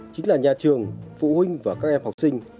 chính là nhà trường phụ huynh và các em học sinh